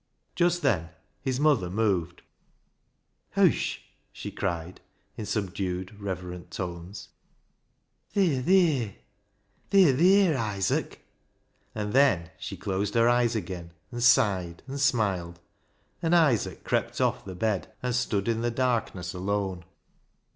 Just then his mother moved. " Huish !" she cried in subdued, reverent tones ;" they're theer ! They're theer, Isaac !" And then she closed her eyes again, and sighed, and smiled, and Isaac crept off the bed and stood in the darkness alone.